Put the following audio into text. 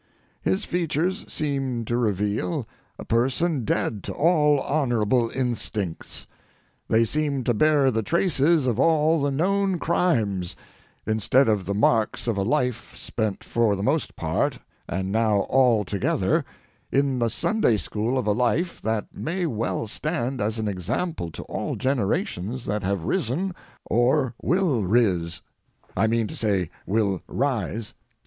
His features seem to reveal a person dead to all honorable instincts—they seem to bear the traces of all the known crimes, instead of the marks of a life spent for the most part, and now altogether, in the Sunday school of a life that may well stand as an example to all generations that have risen or will riz—I mean to say, will rise.